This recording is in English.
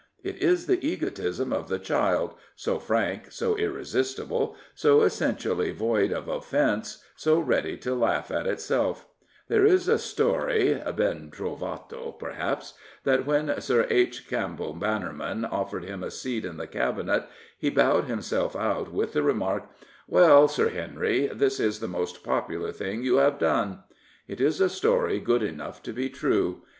It is the egotism of the child, so frank, so irresistible, so essentially void of offence, so ready to laugh at itself. There is a story ^95 Prophets, Priests, and Kings — hen trovaio, perhaps — that when Sir H. Campbell Bannerman offered him a seat in the Cabinet he bowed himself out with the remark, " Well, Sir Henry, this is the most popular thing you have done." It is a story good enough to be true.